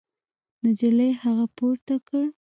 نجلۍ هغه پورته کړ.